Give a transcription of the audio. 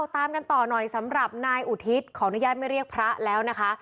ตามกันต่อหน่อยสำหรับนายอุทิศขออนุญาตไม่เรียกพระแล้วนะคะ